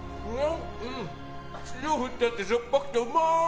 塩振ってあってしょっぱくてうまい。